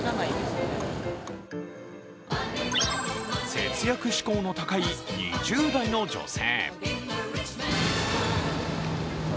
節約志向の高い２０代の女性。